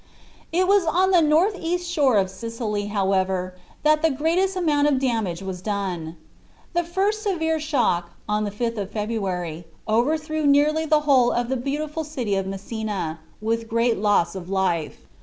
It was on the north eastern shore of Sicily, however, that the greatest amount of damage was done. The first severe shock, on the 5th of February, overthrew nearly the whole of the beautiful city of Messina, with great loss of life.